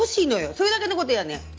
それだけのことやねん。